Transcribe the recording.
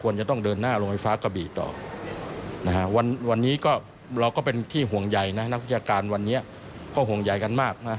เราก็เป็นที่ห่วงใหญ่นะนักพิจารณ์วันนี้ก็ห่วงใหญ่กันมาก